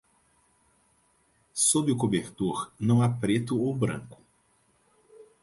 Sob o cobertor não há preto ou branco.